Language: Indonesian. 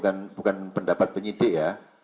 tentunya ini bukan pendapat penyidik ya